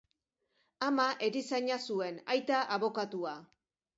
Ama erizaina zuen, aita abokatua.